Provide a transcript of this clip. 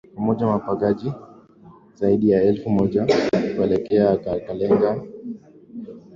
pamoja na wapagaji zaidi ya elfu moja kuelekea Kalenga Walikuwa na mizinga minne na